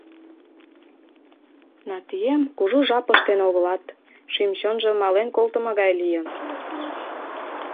— Натием кужу жап ыштен огылат, шӱм-чонжо мален колтымо гай лийын.